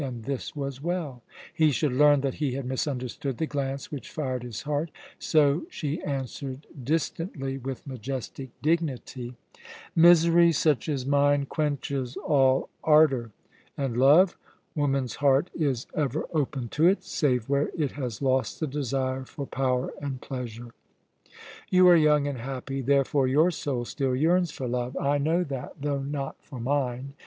And this was well! He should learn that he had misunderstood the glance which fired his heart; so she answered distantly, with majestic dignity: "Misery such as mine quenches all ardour. And love? Woman's heart is ever open to it, save where it has lost the desire for power and pleasure. You are young and happy, therefore your soul still yearns for love I know that though not for mine.